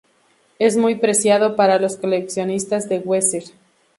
Es muy preciado para los coleccionistas de Weezer.